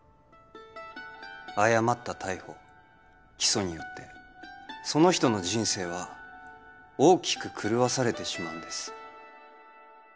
誤った逮捕起訴によってその人の人生は大きく狂わされてしまうんです